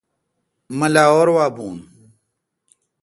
مہ لاہور وا بھون۔